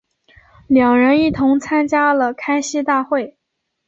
两人一同参加了开西大会。